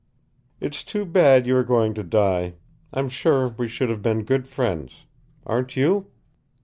"It's too bad you are going to die. I'm sure we should have been good friends. Aren't you?"